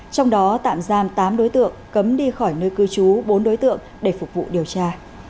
trong đó tạm giam tám đối tượng cấm đi khỏi nơi cư trú bốn đối tượng để phục vụ điều tra